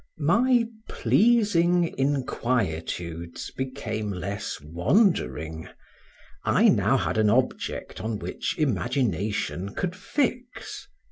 My pleasing inquietudes became less wandering: I had now an object on which imagination could fix.